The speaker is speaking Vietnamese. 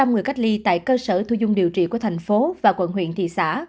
một trăm linh người cách ly tại cơ sở thu dung điều trị của thành phố và quận huyện thị xã